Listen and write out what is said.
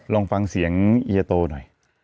ลองฟังเสียงเฮียโตหน่อย